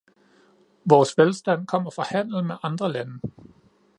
Vores velstand kommer fra handel med andre lande.